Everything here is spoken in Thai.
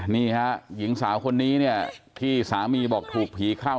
นี่ฮะหญิงสาวคนนี้เนี่ยที่สามีบอกถูกผีเข้า